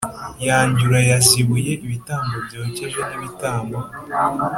yanjye urayazibuye Ibitambo byokeje n ibitambo